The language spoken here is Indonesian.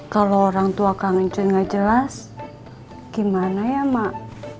kalau orang tua kangen gak jelas gimana ya mak